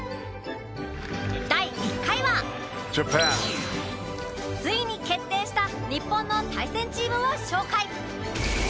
第１回はついに決定した日本の対戦チームを紹介。